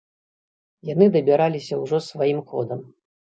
Яны дабіраліся ўжо сваім ходам.